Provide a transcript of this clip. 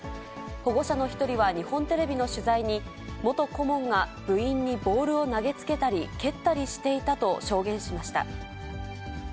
保護者の一人は日本テレビの取材に、元顧問が部員にボールを投げつけたり、蹴ったりしていたと証言しました。